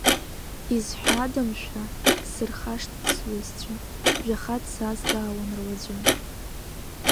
Изҳәада, мшәа, сырхашҭт сҩызцәа, жәаха дсазҵаауан руаӡәы…